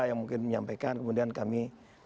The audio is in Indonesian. yang mungkin menyampaikan kemudian kami